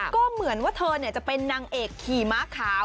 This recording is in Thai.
ก็เหมือนว่าเธอจะเป็นนางเอกขี่ม้าขาว